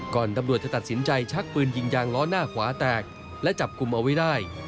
ตำรวจจะตัดสินใจชักปืนยิงยางล้อหน้าขวาแตกและจับกลุ่มเอาไว้ได้